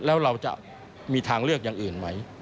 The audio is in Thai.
แล้วเราจะมีทางเลือกอย่างอื่นไหม